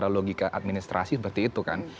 logika administrasi seperti itu kan